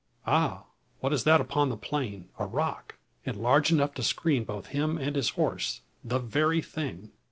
Ha! what is that upon the plain? A rock! And large enough to screen both him and his horse. The very thing!